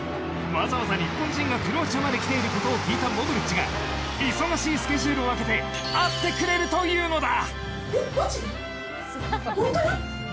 わざわざ日本人がクロアチアまで来ていることを聞いたモドリッチが忙しいスケジュールを空けて会ってくれるというのだ。